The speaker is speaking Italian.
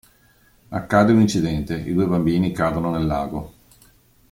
Accade un incidente: i due bambini cadono nel lago.